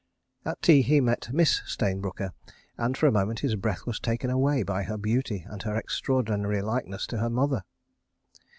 At tea he met Miss Stayne Brooker, and, for a moment, his breath was taken away by her beauty and her extraordinary likeness to her mother.